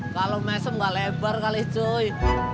kalau mesem gak lebar kali cuy